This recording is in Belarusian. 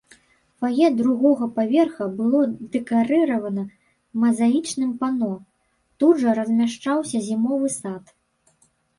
Фае другога паверха было дэкарыравана мазаічным пано, тут жа размяшчаўся зімовы сад.